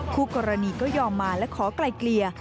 คู่กรณีก็ยอมมาและขอไกลเกลี่ย